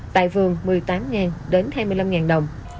tại vườn một mươi tám hai mươi năm đồng